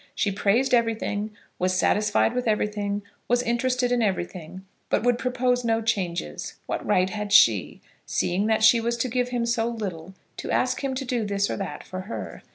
She praised everything; was satisfied with everything; was interested in everything; but would propose no changes. What right had she, seeing that she was to give him so little, to ask him to do this or that for her?